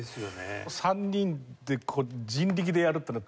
３人で人力でやるっていうのは大変。